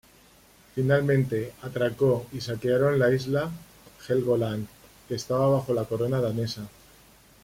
Finalmente atraco y saquearon la isla Helgoland, que estaba bajo la corona danesa.